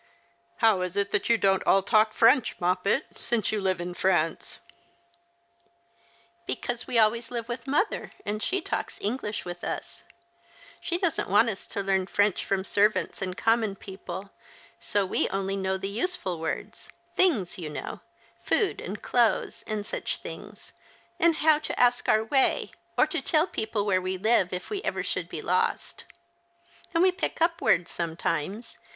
" How is it you don't all talk French, Moppet, since you live in France ?"" Because we always live with mother, and she talks English with us. She doesn't want us to learn French 134 The Christmas Hirelings. from servants and common people ; so we only know the useful words — things you know — food and clothes and such things, and how to ask our way, or to tell people where we live, if ever we should be lost. And we pick up words sometimes.